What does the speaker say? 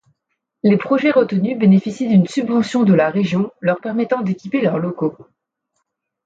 Les projets retenus bénéficient d'une subvention de la Région leur permettant d'équiper leurs locaux.